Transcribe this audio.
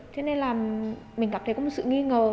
cho nên là mình cảm thấy có một sự nghi ngờ